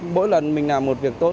mỗi lần mình làm một việc tốt